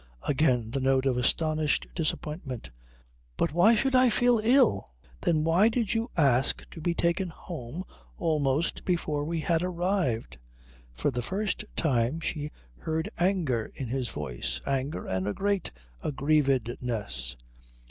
Again the note of astonished disappointment. "But why should I feel ill?" "Then why did you ask to be taken home almost before we had arrived?" For the first time she heard anger in his voice, anger and a great aggrievedness.